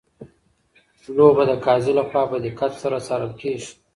لوبه د قاضي لخوا په دقت سره څارل کیږي.